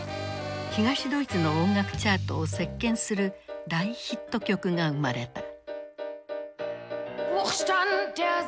東ドイツの音楽チャートを席巻する大ヒット曲が生まれた。